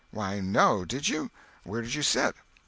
"Why, no! Did you? Where did you sit?"